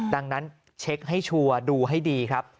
ดังนั้นเช็คให้ชัวร์ดูให้ดีครับ